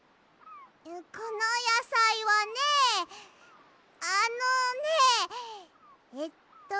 このやさいはねあのねえっとね。